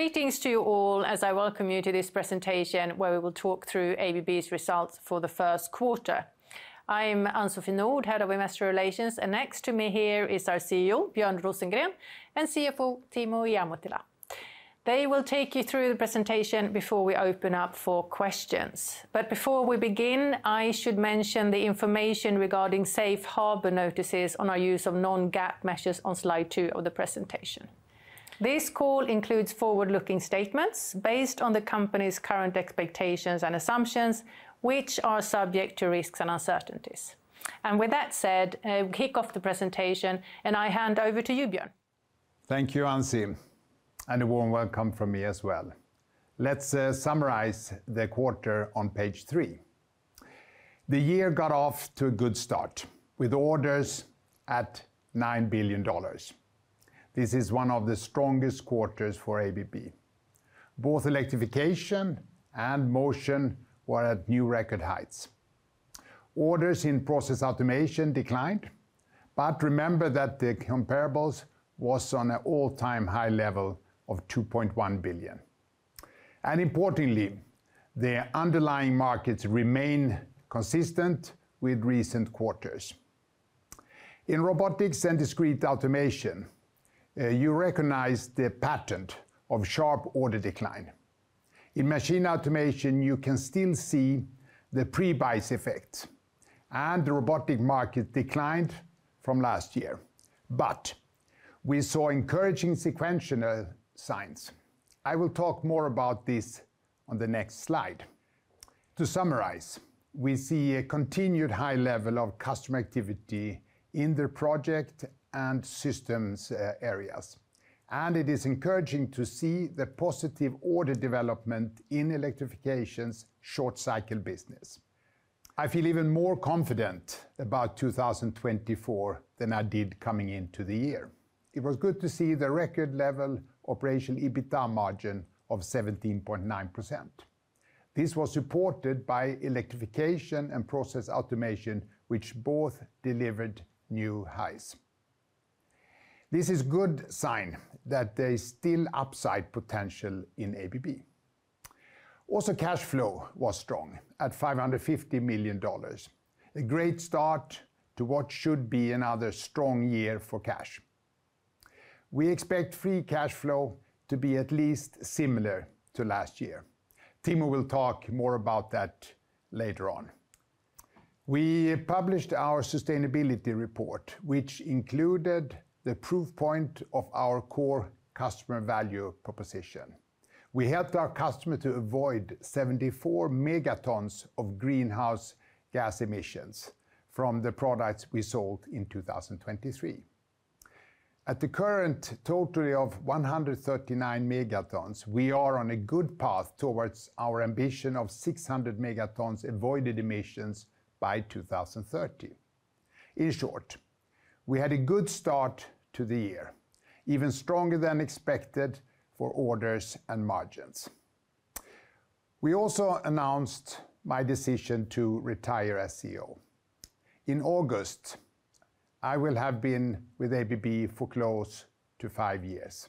Greetings to you all as I welcome you to this presentation where we will talk through ABB's results for the first quarter. I'm Ann-Sofie Nordh, Head of Investor Relations, and next to me here is our CEO, Björn Rosengren, and CFO, Timo Ihamuotila. They will take you through the presentation before we open up for questions. But before we begin, I should mention the information regarding safe harbor notices on our use of non-GAAP measures on Slide two of the presentation. This call includes forward-looking statements based on the company's current expectations and assumptions, which are subject to risks and uncertainties. And with that said, kick off the presentation, and I hand over to you, Björn. Thank you, Ansi. A warm welcome from me as well. Let's summarize the quarter on Page three. The year got off to a good start with orders at $9 billion. This is one of the strongest quarters for ABB. Both Electrification and Motion were at new record heights. Orders in Process Automation declined, but remember that the comparables were on an all-time high level of $2.1 billion. Importantly, the underlying markets remain consistent with recent quarters. In Robotics & Discrete Automation, you recognize the pattern of sharp order decline. In Machine Automation, you can still see the pre-buys effect. The robotic market declined from last year. We saw encouraging sequential signs. I will talk more about this on the next slide. To summarize, we see a continued high level of customer activity in the project and systems areas. It is encouraging to see the positive order development in Electrification's short-cycle business. I feel even more confident about 2024 than I did coming into the year. It was good to see the record-level operational EBITDA margin of 17.9%. This was supported by Electrification and Process Automation, which both delivered new highs. This is a good sign that there is still upside potential in ABB. Also, cash flow was strong at $550 million, a great start to what should be another strong year for cash. We expect free cash flow to be at least similar to last year. Timo will talk more about that later on. We published our sustainability report, which included the proof point of our core customer value proposition. We helped our customer to avoid 74 megatons of greenhouse gas emissions from the products we sold in 2023. At the current total of 139 megatons, we are on a good path towards our ambition of 600 megatons avoided emissions by 2030. In short, we had a good start to the year, even stronger than expected for orders and margins. We also announced my decision to retire as CEO. In August, I will have been with ABB for close to 5 years.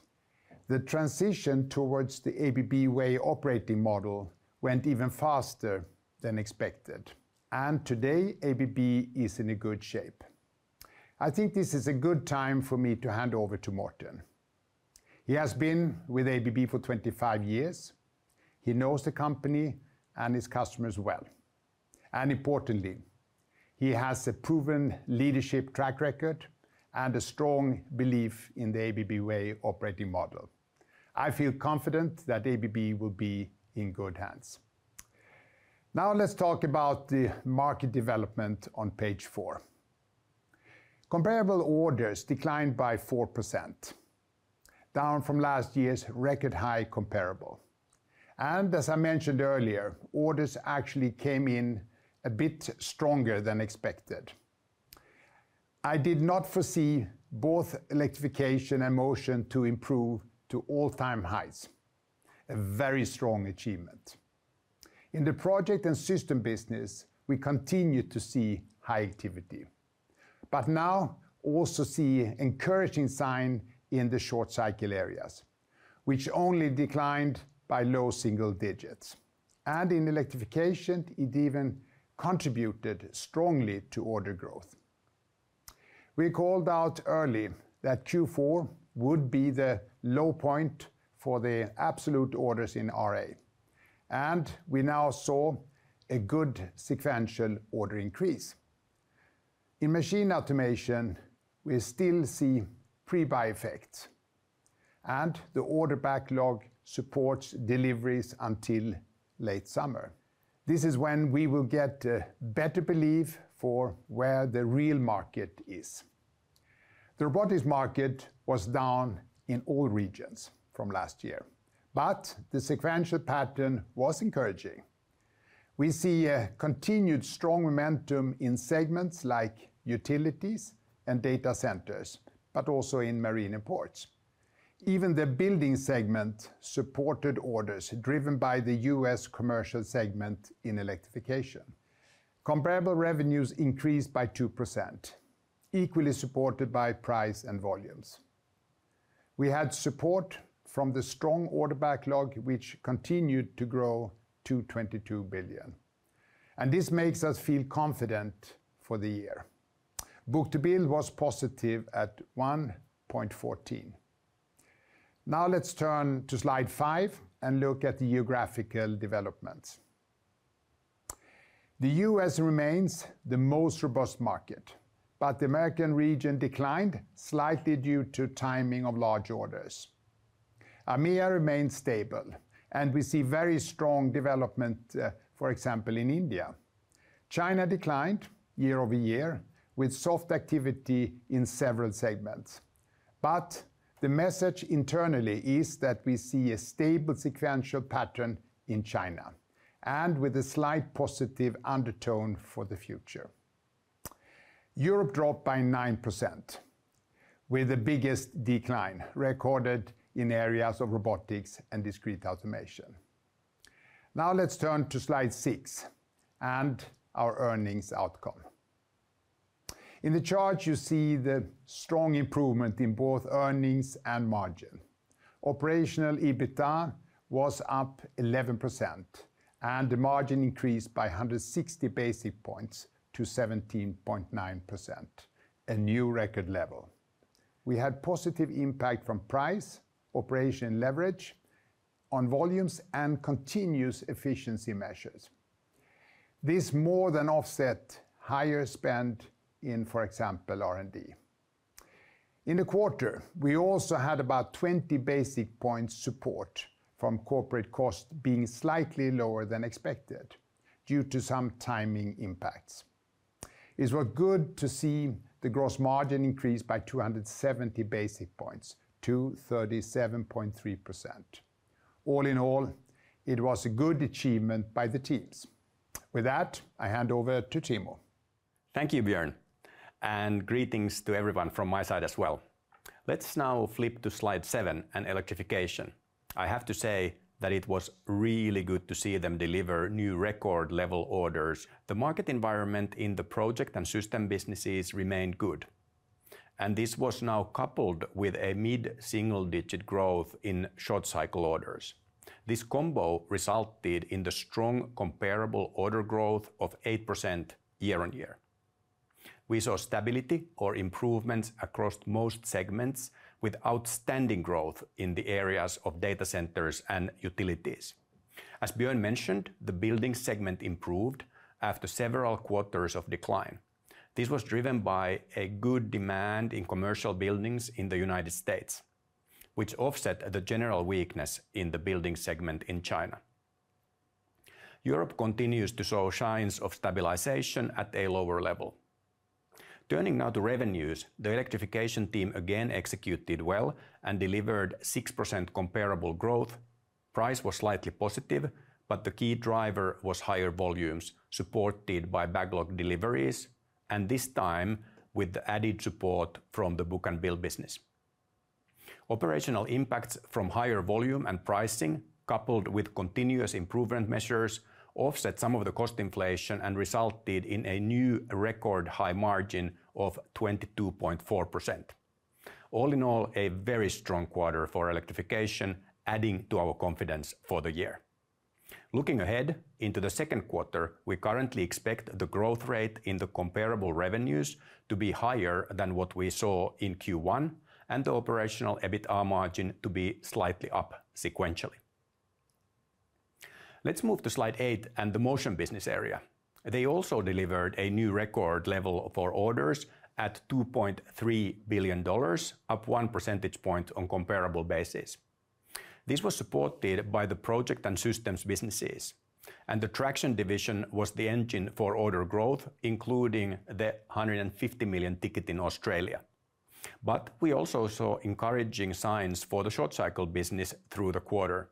The transition towards the ABB Way operating model went even faster than expected. Today, ABB is in a good shape. I think this is a good time for me to hand over to Morten. He has been with ABB for 25 years. He knows the company and his customers well. And importantly, he has a proven leadership track record and a strong belief in the ABB Way operating model. I feel confident that ABB will be in good hands. Now let's talk about the market development on Page four. Comparable orders declined by 4%, down from last year's record high comparable. As I mentioned earlier, orders actually came in a bit stronger than expected. I did not foresee both Electrification and Motion to improve to all-time highs, a very strong achievement. In the project and system business, we continue to see high activity. We now also see an encouraging sign in the short-cycle areas, which only declined by low single digits. In Electrification, it even contributed strongly to order growth. We called out early that Q4 would be the low point for the absolute orders in RA. We now saw a good sequential order increase. In Machine Automation, we still see pre-buy effects. The order backlog supports deliveries until late summer. This is when we will get a better belief for where the real market is. The Robotics market was down in all regions from last year. But the sequential pattern was encouraging. We see a continued strong momentum in segments like utilities and data centers, but also in Marine & Ports. Even the building segment supported orders driven by the U.S. commercial segment in Electrification. Comparable revenues increased by 2%, equally supported by price and volumes. We had support from the strong order backlog, which continued to grow to $22 billion. And this makes us feel confident for the year. book-to-bill was positive at 1.14. Now let's turn to Slide five and look at the geographical developments. The U.S. remains the most robust market. But the American region declined slightly due to timing of large orders. AMEA remains stable. And we see very strong development, for example, in India. China declined year over year with soft activity in several segments. But the message internally is that we see a stable sequential pattern in China and with a slight positive undertone for the future. Europe dropped by 9% with the biggest decline recorded in areas of Robotics & Discrete Automation. Now let's turn to Slide six and our earnings outcome. In the chart, you see the strong improvement in both earnings and margin. Operational EBITDA was up 11% and the margin increased by 160 basis points to 17.9%, a new record level. We had positive impact from price, operational leverage on volumes, and continuous efficiency measures. This more than offset higher spend in, for example, R&D. In the quarter, we also had about 20 basis points support from corporate costs being slightly lower than expected due to some timing impacts. It was good to see the gross margin increase by 270 basis points to 37.3%. All in all, it was a good achievement by the teams. With that, I hand over to Timo. Thank you, Björn. Greetings to everyone from my side as well. Let's now flip to Slide seven and Electrification. I have to say that it was really good to see them deliver new record-level orders. The market environment in the project and system businesses remained good. This was now coupled with a mid-single digit growth in short-cycle orders. This combo resulted in the strong comparable order growth of 8% year-on-year. We saw stability or improvements across most segments with outstanding growth in the areas of data centers and utilities. As Björn mentioned, the building segment improved after several quarters of decline. This was driven by a good demand in commercial buildings in the United States, which offset the general weakness in the building segment in China. Europe continues to show signs of stabilization at a lower level. Turning now to revenues, the Electrification team again executed well and delivered 6% comparable growth. Price was slightly positive, but the key driver was higher volumes supported by backlog deliveries, and this time with the added support from the book-and-bill business. Operational impacts from higher volume and pricing, coupled with continuous improvement measures, offset some of the cost inflation and resulted in a new record high margin of 22.4%. All in all, a very strong quarter for Electrification, adding to our confidence for the year. Looking ahead into the second quarter, we currently expect the growth rate in the comparable revenues to be higher than what we saw in Q1 and the operational EBITDA margin to be slightly up sequentially. Let's move to Slide eight and the Motion business area. They also delivered a new record level for orders at $2.3 billion, up one percentage point on comparable basis. This was supported by the project and systems businesses. The Traction division was the engine for order growth, including the $150 million ticket in Australia. We also saw encouraging signs for the short-cycle business through the quarter.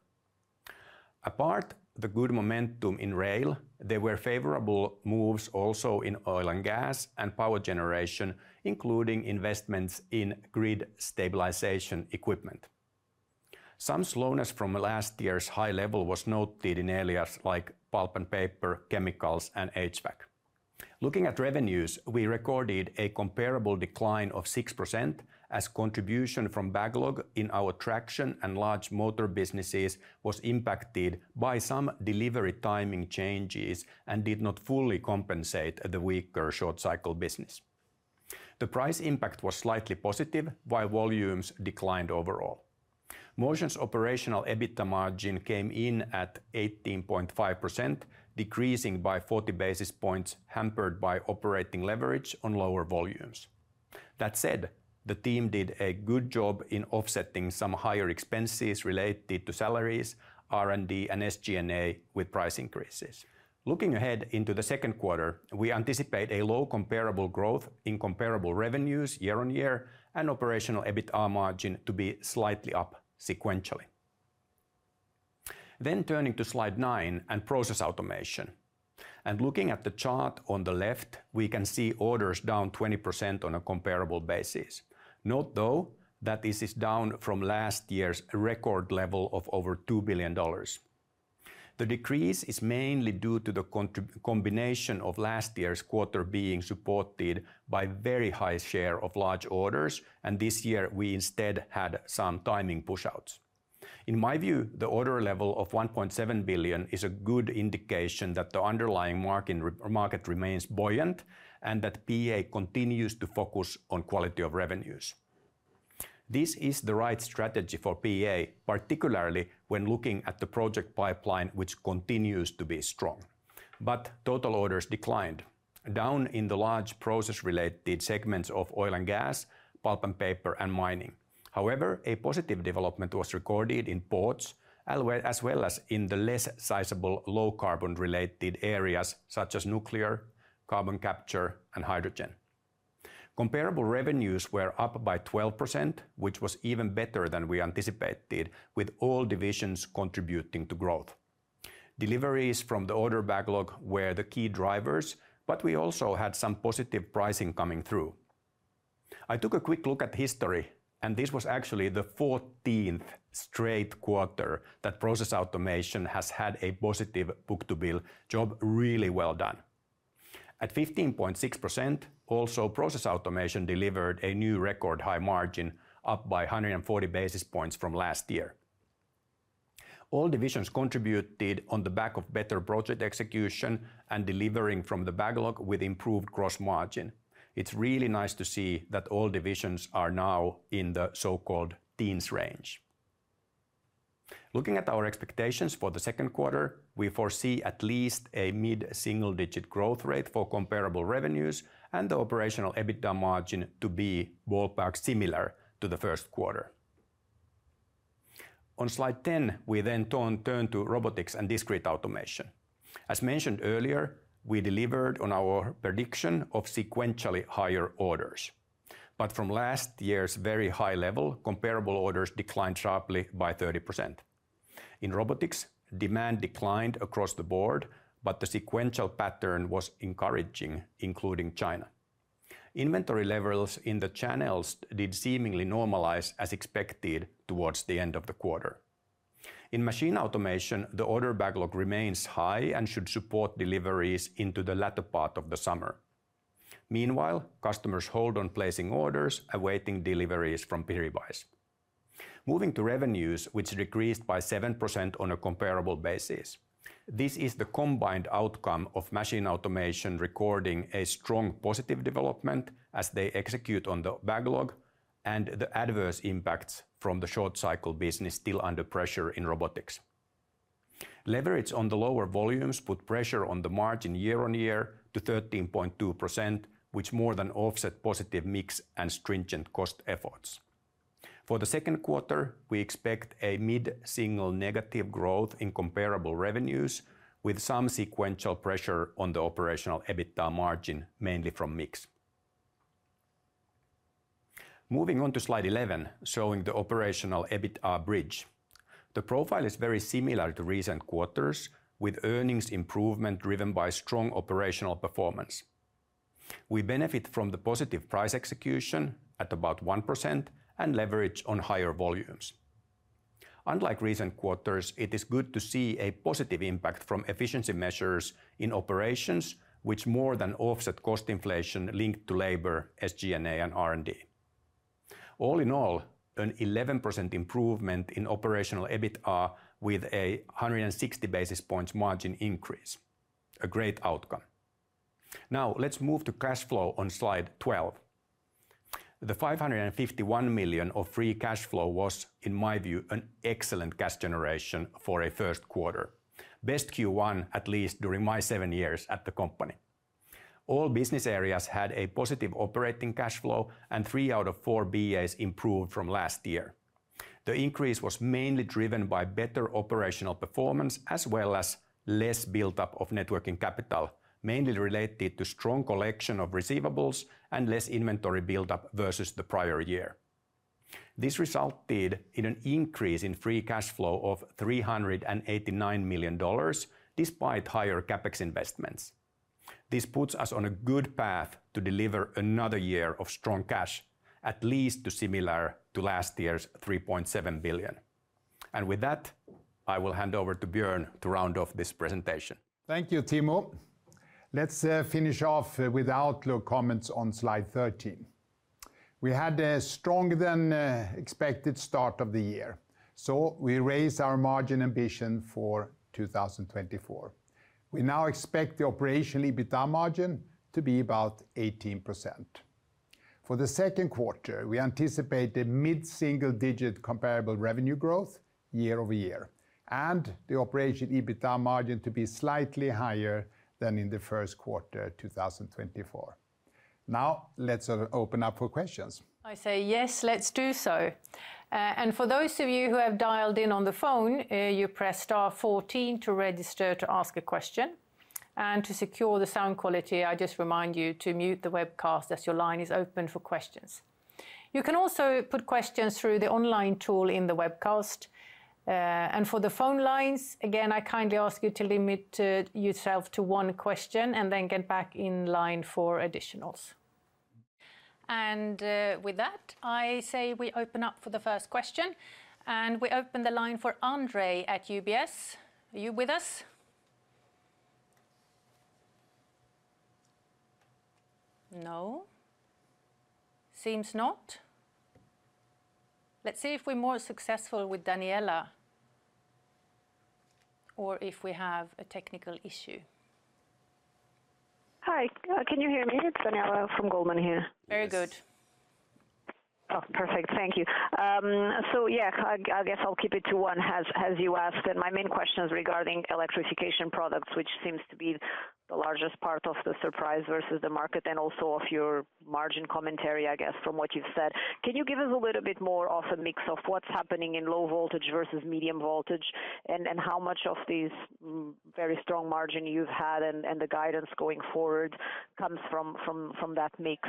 Apart from the good momentum in rail, there were favorable moves also in oil and gas and power generation, including investments in grid stabilization equipment. Some slowness from last year's high level was noted in areas like pulp and paper, chemicals, and HVAC. Looking at revenues, we recorded a comparable decline of 6% as contribution from backlog in our Traction and large motor businesses was impacted by some delivery timing changes and did not fully compensate the weaker short-cycle business. The price impact was slightly positive, while volumes declined overall. Motion's operational EBITDA margin came in at 18.5%, decreasing by 40 basis points, hampered by operating leverage on lower volumes. That said, the team did a good job in offsetting some higher expenses related to salaries, R&D, and SG&A with price increases. Looking ahead into the second quarter, we anticipate a low comparable growth in comparable revenues year-on-year and operational EBITDA margin to be slightly up sequentially. Then turning to Slide nine and Process Automation. Looking at the chart on the left, we can see orders down 20% on a comparable basis. Note though that this is down from last year's record level of over $2 billion. The decrease is mainly due to the combination of last year's quarter being supported by a very high share of large orders, and this year we instead had some timing push-outs. In my view, the order level of $1.7 billion is a good indication that the underlying market remains buoyant and that PA continues to focus on quality of revenues. This is the right strategy for PA, particularly when looking at the project pipeline, which continues to be strong. But total orders declined, down in the large process-related segments of oil and gas, pulp and paper, and mining. However, a positive development was recorded in ports, as well as in the less sizable low-carbon-related areas such as nuclear, carbon capture, and hydrogen. Comparable revenues were up by 12%, which was even better than we anticipated, with all divisions contributing to growth. Deliveries from the order backlog were the key drivers, but we also had some positive pricing coming through. I took a quick look at history, and this was actually the 14th straight quarter that Process Automation has had a positive book-to-bill. Job really well done. At 15.6%, also, Process Automation delivered a new record high margin, up by 140 basis points from last year. All divisions contributed on the back of better project execution and delivering from the backlog with improved gross margin. It's really nice to see that all divisions are now in the so-called teens range. Looking at our expectations for the second quarter, we foresee at least a mid-single-digit growth rate for comparable revenues and the Operational EBITDA margin to be ballpark similar to the first quarter. On Slide 10, we then turn to Robotics & Discrete Automation. As mentioned earlier, we delivered on our prediction of sequentially higher orders. But from last year's very high level, comparable orders declined sharply by 30%. In Robotics, demand declined across the board, but the sequential pattern was encouraging, including China. Inventory levels in the channels did seemingly normalize as expected towards the end of the quarter. In Machine Automation, the order backlog remains high and should support deliveries into the latter part of the summer. Meanwhile, customers hold on placing orders, awaiting deliveries from pre-buys. Moving to revenues, which decreased by 7% on a comparable basis. This is the combined outcome of Machine Automation recording a strong positive development as they execute on the backlog and the adverse impacts from the short-cycle business still under pressure in Robotics. Leverage on the lower volumes put pressure on the margin year-on-year to 13.2%, which more than offset positive mix and stringent cost efforts. For the second quarter, we expect a mid-single negative growth in comparable revenues with some sequential pressure on the operational EBITDA margin, mainly from mix. Moving on to Slide 11, showing the operational EBITDA bridge. The profile is very similar to recent quarters, with earnings improvement driven by strong operational performance. We benefit from the positive price execution at about 1% and leverage on higher volumes. Unlike recent quarters, it is good to see a positive impact from efficiency measures in operations, which more than offset cost inflation linked to labor, SG&A, and R&D. All in all, an 11% improvement in Operational EBITDA with a 160 basis points margin increase. A great outcome. Now let's move to cash flow on Slide 12. The $551 million of Free Cash Flow was, in my view, an excellent cash generation for a first quarter. Best Q1, at least during my seven years at the company. All business areas had a positive operating cash flow, and three out of four BAs improved from last year. The increase was mainly driven by better operational performance, as well as less build-up of net working capital, mainly related to strong collection of receivables and less inventory build-up versus the prior year. This resulted in an increase in free cash flow of $389 million despite higher CapEx investments. This puts us on a good path to deliver another year of strong cash, at least similar to last year's $3.7 billion. With that, I will hand over to Björn to round off this presentation. Thank you, Timo. Let's finish off with the Outlook comments on Slide 13. We had a stronger than expected start of the year, so we raised our margin ambition for 2024. We now expect the operational EBITDA margin to be about 18%. For the second quarter, we anticipate a mid-single-digit comparable revenue growth year-over-year and the operational EBITDA margin to be slightly higher than in the first quarter of 2024. Now let's open up for questions. I say yes, let's do so. For those of you who have dialed in on the phone, you press star 14 to register to ask a question. To secure the sound quality, I just remind you to mute the webcast as your line is open for questions. You can also put questions through the online tool in the webcast. For the phone lines, again, I kindly ask you to limit yourself to one question and then get back in line for additionals. With that, I say we open up for the first question. We open the line for Andre at UBS. Are you with us? No? Seems not. Let's see if we're more successful with Daniela or if we have a technical issue. Hi. Can you hear me? It's Daniela from Goldman here. Very good. Oh, perfect. Thank you. So yeah, I guess I'll keep it to one, as you asked. My main question is regarding Electrification products, which seems to be the largest part of the surprise versus the market and also of your margin commentary, I guess, from what you've said. Can you give us a little bit more of a mix of what's happening in low voltage versus medium voltage and how much of this very strong margin you've had and the guidance going forward comes from that mix?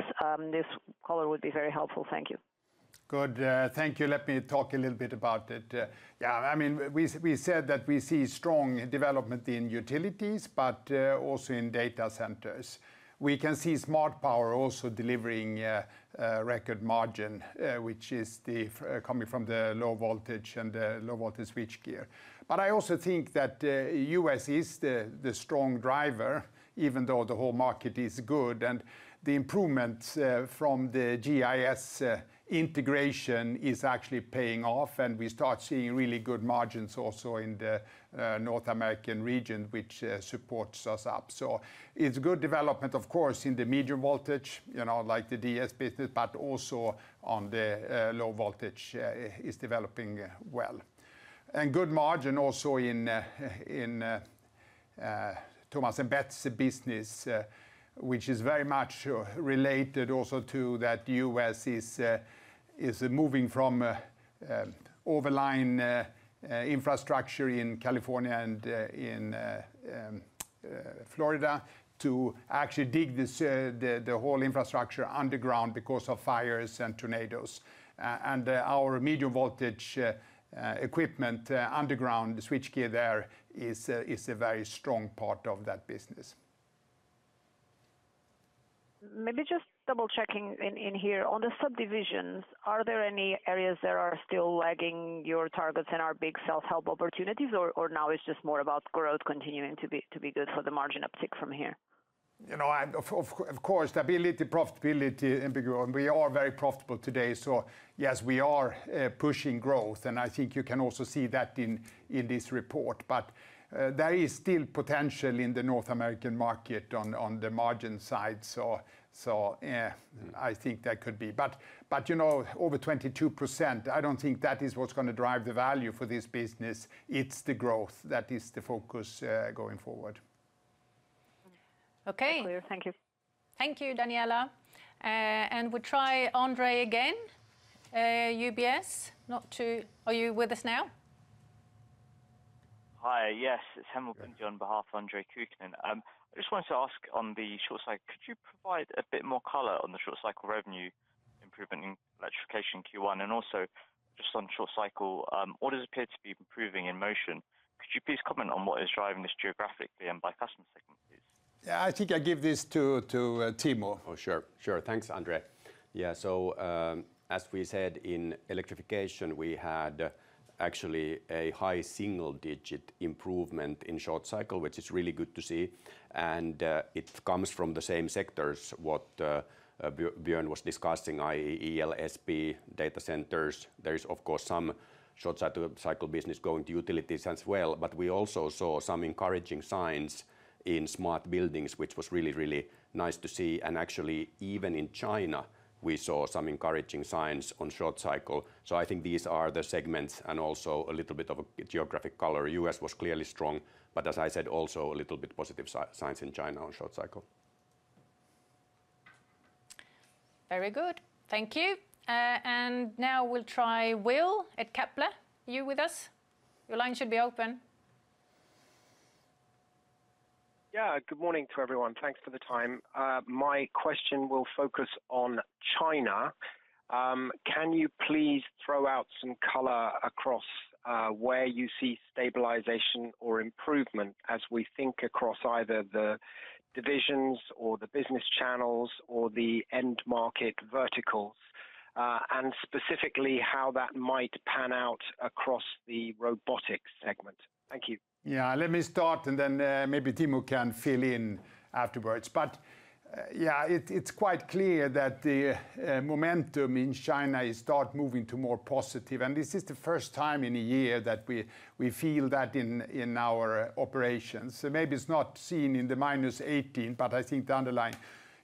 This color would be very helpful. Thank you. Good. Thank you. Let me talk a little bit about it. Yeah, I mean, we said that we see strong development in utilities, but also in data centers. We can see Smart Power also delivering a record margin, which is coming from the low voltage and the low voltage switchgear. But I also think that the U.S. is the strong driver, even though the whole market is good. And the improvement from the GEIS integration is actually paying off, and we start seeing really good margins also in the North American region, which supports us up. So it's good development, of course, in the medium voltage, like the DS business, but also on the low voltage is developing well. Good margin also in Thomas & Betts' business, which is very much related also to that the U.S. is moving from overhead infrastructure in California and in Florida to actually dig the whole infrastructure underground because of fires and tornadoes. Our medium voltage equipment underground, the switchgear there, is a very strong part of that business. Maybe just double-checking in here. On the subdivisions, are there any areas that are still lagging your targets and are big self-help opportunities, or now it's just more about growth continuing to be good for the margin uptick from here? Of course, stability, profitability, ambiguous. And we are very profitable today. So yes, we are pushing growth. And I think you can also see that in this report. But there is still potential in the North American market on the margin side. So I think that could be. But over 22%, I don't think that is what's going to drive the value for this business. It's the growth that is the focus going forward. Okay. Thank you. Thank you, Daniela. We'll try Andre again, UBS. Are you with us now? Hi. Yes, it's Hemal Bhundia on behalf of Andre Kukhnin. I just wanted to ask on the short cycle, could you provide a bit more color on the short cycle revenue improvement in Electrification Q1? And also just on short cycle, what does appear to be improving in Motion? Could you please comment on what is driving this geographically and by customer segment, please? Yeah, I think I'll give this to Timo. For sure. Sure. Thanks, Andre. Yeah, so as we said in Electrification, we had actually a high single digit improvement in short cycle, which is really good to see. And it comes from the same sectors, what Björn was discussing, i.e., ELSP, data centers. There is, of course, some short cycle business going to utilities as well. But we also saw some encouraging signs in Smart Buildings, which was really, really nice to see. And actually, even in China, we saw some encouraging signs on short cycle. So I think these are the segments and also a little bit of a geographic color. U.S. was clearly strong, but as I said, also a little bit positive signs in China on short cycle. Very good. Thank you. And now we'll try Will at Kepler. Are you with us? Your line should be open. Yeah, good morning to everyone. Thanks for the time. My question will focus on China. Can you please throw out some color across where you see stabilization or improvement as we think across either the divisions or the business channels or the end market verticals, and specifically how that might pan out across the Robotics segment? Thank you. Yeah, let me start, and then maybe Timo can fill in afterwards. But yeah, it's quite clear that the momentum in China is starting to move into more positive. And this is the first time in a year that we feel that in our operations. Maybe it's not seen in the -18, but I think the underlying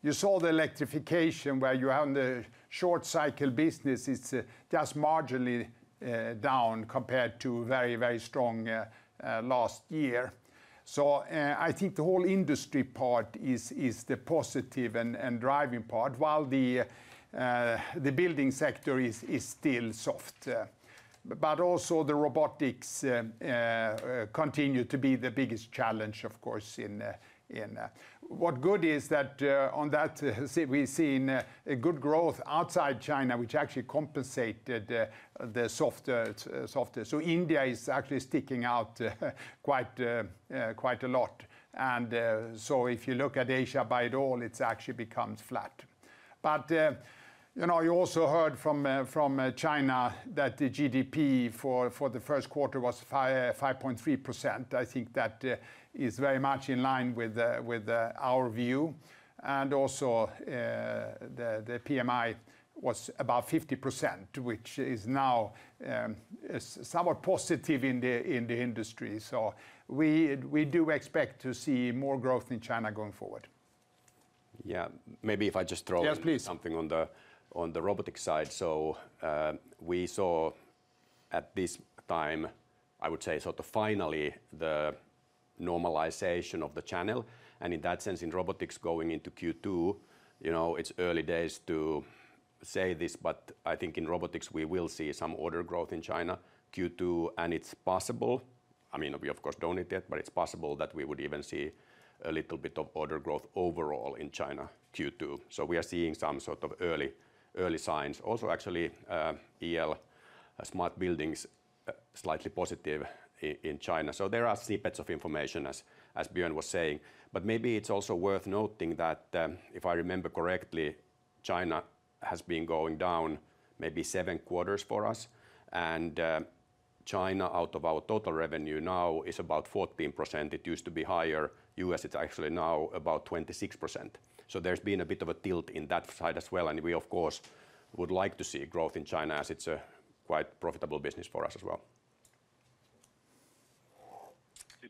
you saw the Electrification where you have the short cycle business is just marginally down compared to very, very strong last year. So I think the whole industry part is the positive and driving part, while the building sector is still soft. But also the Robotics continue to be the biggest challenge, of course. What's good is that on that, we've seen good growth outside China, which actually compensated the softer. So India is actually sticking out quite a lot. So if you look at Asia, by and large, it actually becomes flat. You also heard from China that the GDP for the first quarter was 5.3%. I think that is very much in line with our view. Also the PMI was about 50%, which is now somewhat positive in the industry. We do expect to see more growth in China going forward. Yeah, maybe if I just throw something on the Robotics side. So we saw at this time, I would say sort of finally, the normalization of the channel. And in that sense, in Robotics going into Q2, it's early days to say this, but I think in Robotics, we will see some order growth in China Q2, and it's possible. I mean, we, of course, don't know it yet, but it's possible that we would even see a little bit of order growth overall in China Q2. So we are seeing some sort of early signs. Also, actually, EL, Smart Buildings, slightly positive in China. So there are snippets of information, as Björn was saying. But maybe it's also worth noting that if I remember correctly, China has been going down maybe seven quarters for us. China, out of our total revenue now, is about 14%. It used to be higher. U.S., it's actually now about 26%. So there's been a bit of a tilt in that side as well. And we, of course, would like to see growth in China as it's a quite profitable business for us as well.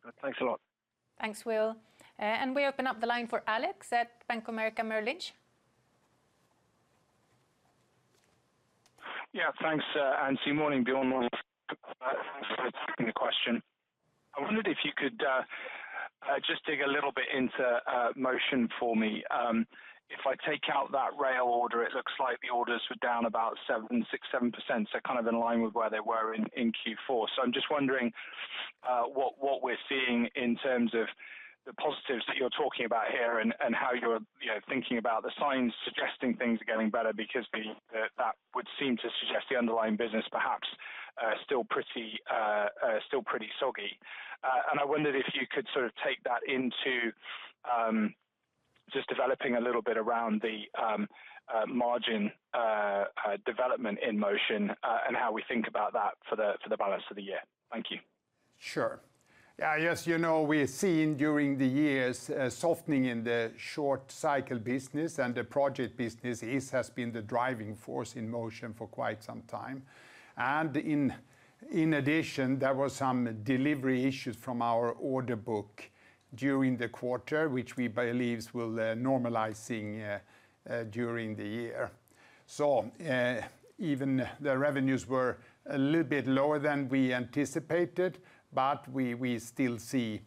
Super. Thanks a lot. Thanks, Will. We open up the line for Alex at Bank of America Merrill Lynch. Yeah, thanks, Ansi. Morning, Björn. Thanks for asking the question. I wondered if you could just dig a little bit into Motion for me. If I take out that rail order, it looks like the orders were down about 7%, 6%, 7%. So kind of in line with where they were in Q4. So I'm just wondering what we're seeing in terms of the positives that you're talking about here and how you're thinking about the signs suggesting things are getting better because that would seem to suggest the underlying business perhaps still pretty soggy. And I wondered if you could sort of take that into just developing a little bit around the margin development in Motion and how we think about that for the balance of the year. Thank you. Sure. Yeah, yes, you know we've seen during the years a softening in the short-cycle business, and the project business has been the driving force in Motion for quite some time. In addition, there were some delivery issues from our order book during the quarter, which we believe will normalize during the year. So even the revenues were a little bit lower than we anticipated, but we still see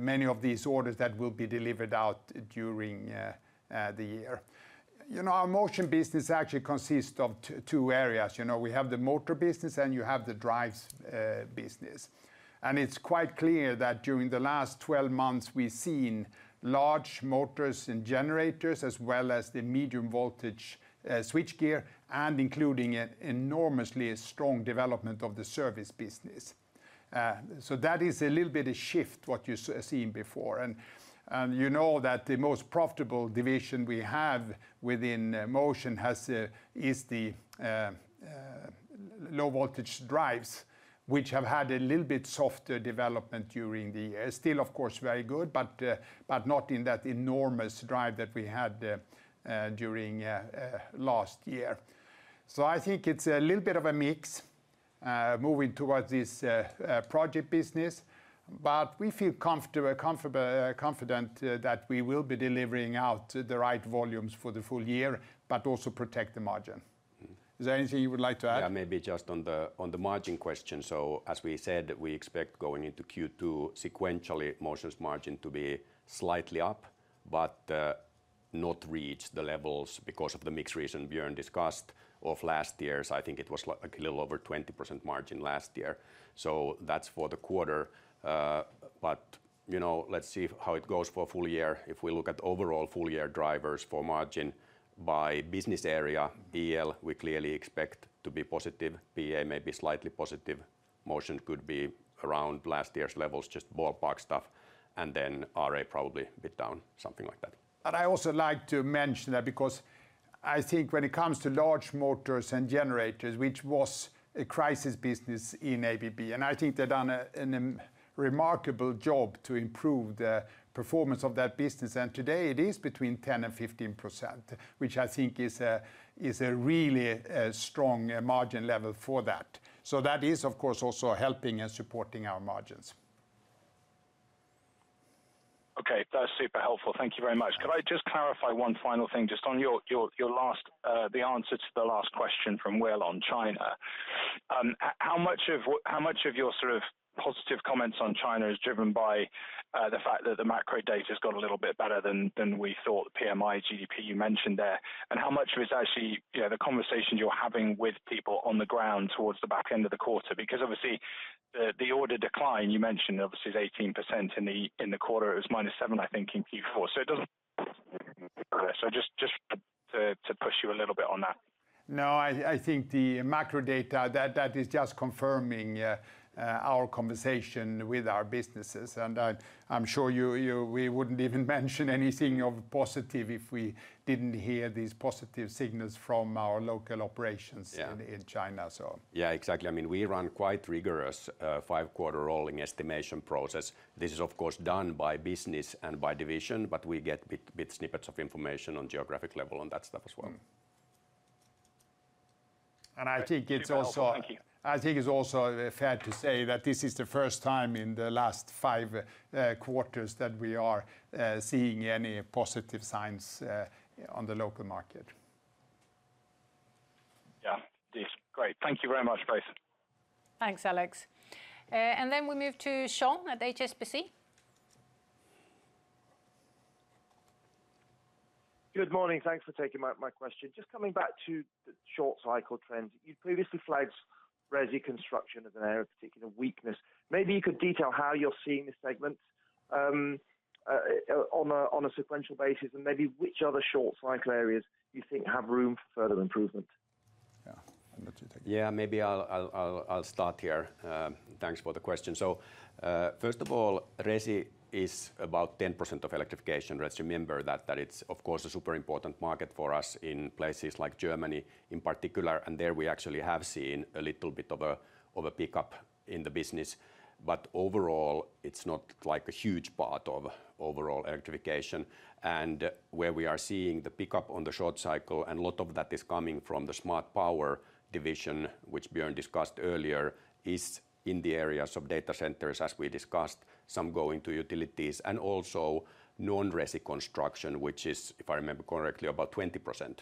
many of these orders that will be delivered out during the year. Our Motion business actually consists of two areas. We have the motor business, and you have the drives business. And it's quite clear that during the last 12 months, we've seen Large Motors and Generators, as well as the medium voltage switchgear, and including an enormously strong development of the service business. So that is a little bit of shift, what you've seen before. And you know that the most profitable division we have within Motion is the low voltage drives, which have had a little bit softer development during the year. Still, of course, very good, but not in that enormous drive that we had during last year. So I think it's a little bit of a mix moving towards this project business. But we feel comfortable and confident that we will be delivering out the right volumes for the full year, but also protect the margin. Is there anything you would like to add? Yeah, maybe just on the margin question. So as we said, we expect going into Q2, sequentially, Motion's margin to be slightly up, but not reach the levels because of the mixed reason Björn discussed of last year's. I think it was like a little over 20% margin last year. So that's for the quarter. But let's see how it goes for a full year. If we look at overall full-year drivers for margin by business area, EL, we clearly expect to be positive. PA, maybe slightly positive. Motion could be around last year's levels, just ballpark stuff. And then RA probably a bit down, something like that. I also like to mention that because I think when it comes to large motors and generators, which was a crisis business in ABB, and I think they've done a remarkable job to improve the performance of that business. Today, it is between 10%-15%, which I think is a really strong margin level for that. That is, of course, also helping and supporting our margins. Okay, that's super helpful. Thank you very much. Could I just clarify one final thing? Just on your answer to the last question from Will on China, how much of your sort of positive comments on China is driven by the fact that the macro data has got a little bit better than we thought, the PMI, GDP you mentioned there? And how much of it is actually the conversations you're having with people on the ground towards the back end of the quarter? Because obviously, the order decline you mentioned, obviously, is 18% in the quarter. It was -7%, I think, in Q4. So it doesn't, so just to push you a little bit on that. No, I think the macro data, that is just confirming our conversation with our businesses. I'm sure we wouldn't even mention anything of positive if we didn't hear these positive signals from our local operations in China. Yeah, exactly. I mean, we run quite rigorous five-quarter rolling estimation process. This is, of course, done by business and by division, but we get bit snippets of information on geographic level on that stuff as well. I think it's also fair to say that this is the first time in the last five quarters that we are seeing any positive signs on the local market. Yeah, it is. Great. Thank you very much, great. Thanks, Alex. And then we move to Sean at HSBC. Good morning. Thanks for taking my question. Just coming back to the short cycle trends, you previously flagged resi construction as an area of particular weakness. Maybe you could detail how you're seeing this segment on a sequential basis and maybe which other short cycle areas you think have room for further improvement. Yeah, I'll let you take it. Yeah, maybe I'll start here. Thanks for the question. So first of all, resi is about 10% of Electrification. Let's remember that it's, of course, a super important market for us in places like Germany in particular. And there we actually have seen a little bit of a pickup in the business. But overall, it's not like a huge part of overall Electrification. And where we are seeing the pickup on the short-cycle, and a lot of that is coming from the Smart Power division, which Björn discussed earlier, is in the areas of data centers, as we discussed, some going to utilities, and also non-resi construction, which is, if I remember correctly, about 20%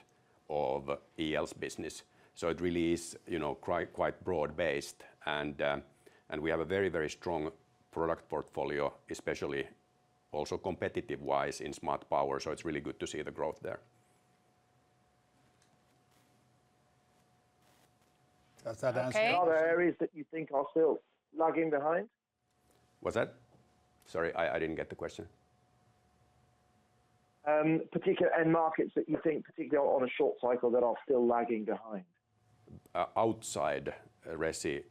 of EL's business. So it really is quite broad-based. And we have a very, very strong product portfolio, especially also competitive-wise in Smart Power. It's really good to see the growth there. Does that answer your question? Are there areas that you think are still lagging behind? What's that? Sorry, I didn't get the question. Particular end markets that you think, particularly on a short cycle, that are still lagging behind? Outside resi,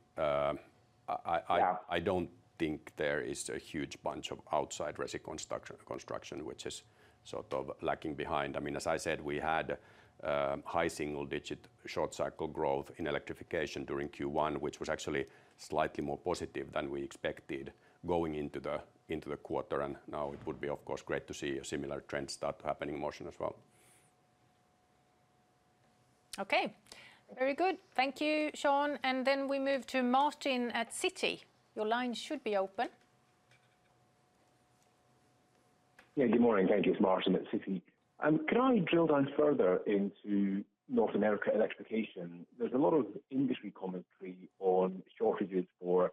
I don't think there is a huge bunch of outside resi construction, which is sort of lagging behind. I mean, as I said, we had high single-digit short cycle growth in Electrification during Q1, which was actually slightly more positive than we expected going into the quarter. And now it would be, of course, great to see a similar trend start happening in Motion as well. Okay, very good. Thank you, Sean. And then we move to Martin at Citi. Your line should be open. Yeah, good morning. Thank you. It's Martin at Citi. Can I drill down further into North America Electrification? There's a lot of industry commentary on shortages for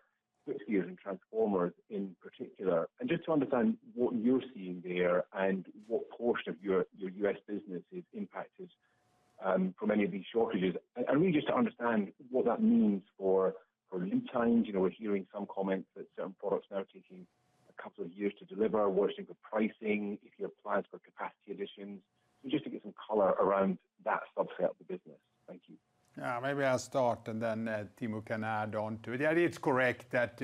switchgear and transformers in particular. And just to understand what you're seeing there and what portion of your U.S. business is impacted from any of these shortages, and really just to understand what that means for lead times. We're hearing some comments that certain products are now taking a couple of years to deliver, worsening for pricing, if you have plans for capacity additions, just to get some color around that subset of the business. Thank you. Maybe I'll start, and then Timo can add on to it. Yeah, it's correct that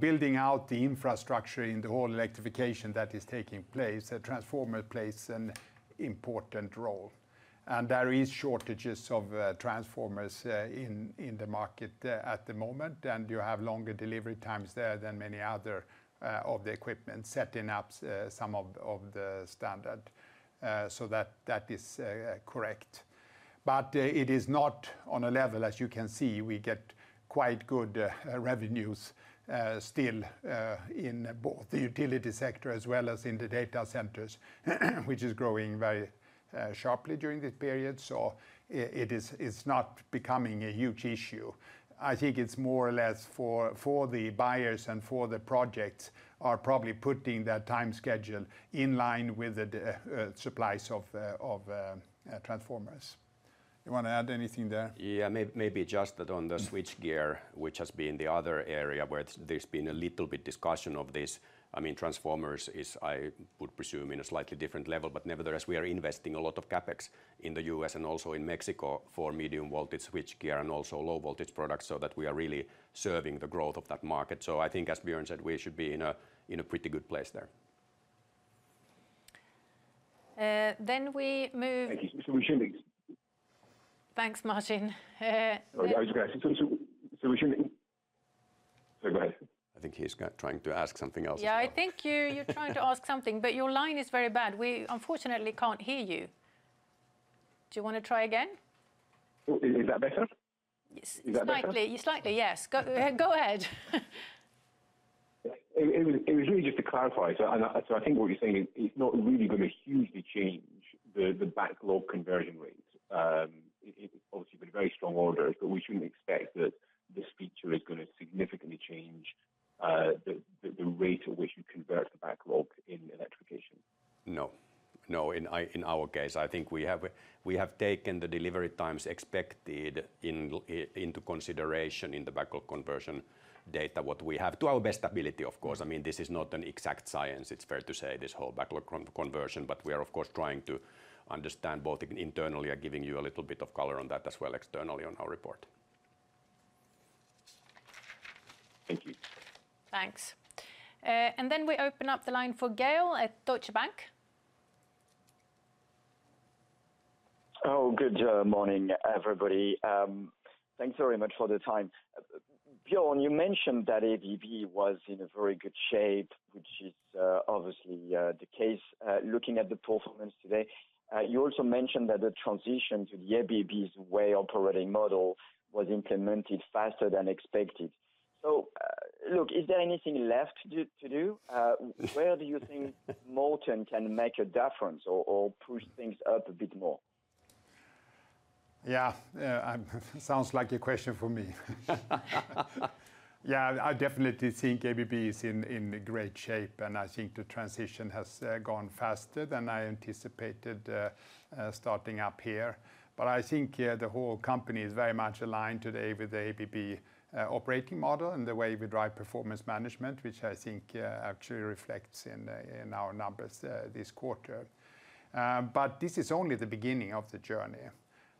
building out the infrastructure in the whole Electrification that is taking place, the transformer plays an important role. And there are shortages of transformers in the market at the moment. And you have longer delivery times there than many other of the equipment, setting up some of the standard. So that is correct. But it is not on a level, as you can see, we get quite good revenues still in both the utility sector as well as in the data centers, which is growing very sharply during this period. So it's not becoming a huge issue. I think it's more or less for the buyers and for the projects are probably putting that time schedule in line with the supplies of transformers. You want to add anything there? Yeah, maybe just that on the switchgear, which has been the other area where there's been a little bit of discussion of this. I mean, transformers is, I would presume, in a slightly different level. But nevertheless, we are investing a lot of CapEx in the U.S. and also in Mexico for medium voltage switchgear and also low voltage products so that we are really serving the growth of that market. So I think, as Björn said, we should be in a pretty good place there. Then we move. Thank you. So we shouldn't. Thanks, Martin. Oh, I was going to ask. So we shouldn't. So go ahead. I think he's trying to ask something else. Yeah, I think you're trying to ask something, but your line is very bad. We, unfortunately, can't hear you. Do you want to try again? Is that better? Yes. Is that better? Slightly. Slightly, yes. Go ahead. It was really just to clarify. So I think what you're saying is it's not really going to hugely change the backlog conversion rate. It's obviously been very strong orders, but we shouldn't expect that this feature is going to significantly change the rate at which you convert the backlog in Electrification. No. No, in our case, I think we have taken the delivery times expected into consideration in the backlog conversion data, what we have, to our best ability, of course. I mean, this is not an exact science, it's fair to say, this whole backlog conversion. But we are, of course, trying to understand both internally and giving you a little bit of color on that as well externally on our report. Thank you. Thanks. And then we open up the line for Gael at Deutsche Bank. Oh, good morning, everybody. Thanks very much for the time. Björn, you mentioned that ABB was in a very good shape, which is obviously the case looking at the performance today. You also mentioned that the transition to the ABB Way operating model was implemented faster than expected. So look, is there anything left to do? Where do you think Morten can make a difference or push things up a bit more? Yeah, it sounds like a question for me. Yeah, I definitely think ABB is in great shape. I think the transition has gone faster than I anticipated starting up here. I think the whole company is very much aligned today with the ABB operating model and the way we drive performance management, which I think actually reflects in our numbers this quarter. This is only the beginning of the journey.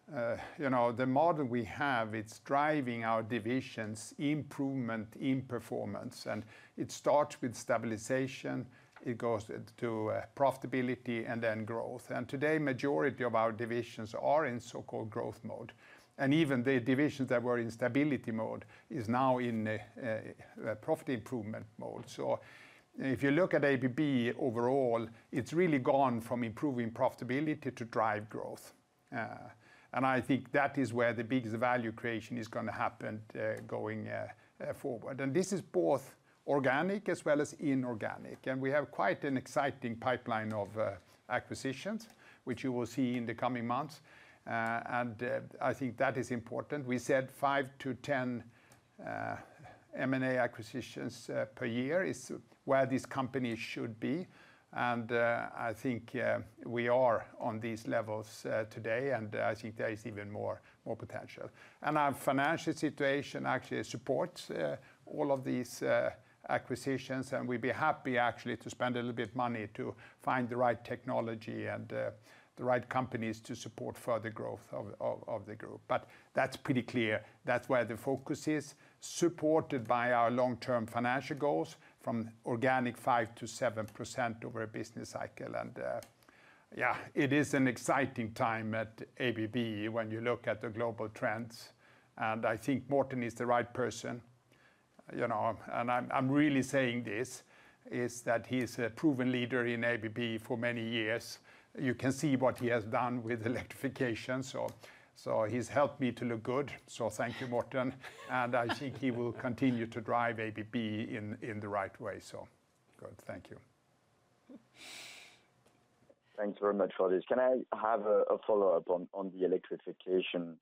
The model we have, it's driving our divisions' improvement in performance. It starts with stabilization. It goes to profitability and then growth. Today, the majority of our divisions are in so-called growth mode. Even the divisions that were in stability mode are now in profit improvement mode. If you look at ABB overall, it's really gone from improving profitability to drive growth. I think that is where the biggest value creation is going to happen going forward. This is both organic as well as inorganic. We have quite an exciting pipeline of acquisitions, which you will see in the coming months. I think that is important. We said five to 10 M&A acquisitions per year is where this company should be. I think we are on these levels today. I think there is even more potential. Our financial situation actually supports all of these acquisitions. We'd be happy, actually, to spend a little bit of money to find the right technology and the right companies to support further growth of the group. But that's pretty clear. That's where the focus is, supported by our long-term financial goals from organic 5%-7% over a business cycle. Yeah, it is an exciting time at ABB when you look at the global trends. I think Morten is the right person. And I'm really saying this, is that he's a proven leader in ABB for many years. You can see what he has done with Electrification. So he's helped me to look good. So thank you, Morten. I think he will continue to drive ABB in the right way. So good. Thank you. Thanks very much for this. Can I have a follow-up on the Electrification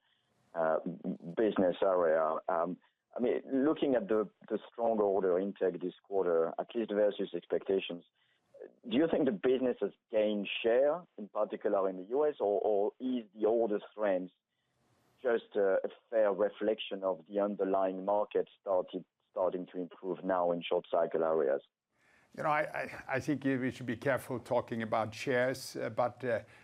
business area? I mean, looking at the strong order intake this quarter, at least versus expectations, do you think the business has gained share, in particular in the U.S., or is the order strength just a fair reflection of the underlying market starting to improve now in short-cycle areas? I think we should be careful talking about shares.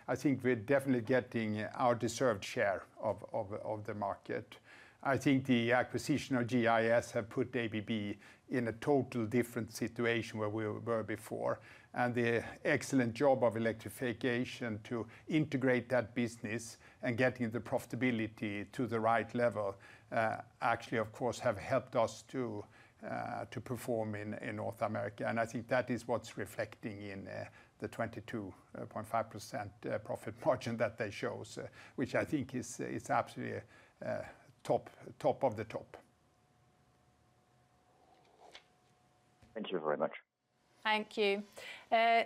I think we're definitely getting our deserved share of the market. I think the acquisition of GEIS have put ABB in a totally different situation where we were before. The excellent job of Electrification to integrate that business and getting the profitability to the right level actually, of course, have helped us to perform in North America. I think that is what's reflecting in the 22.5% profit margin that they show, which I think is absolutely top of the top. Thank you very much. Thank you.